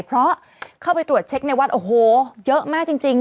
เพราะเข้าไปตรวจเช็คในวัดโอ้โหเยอะมากจริง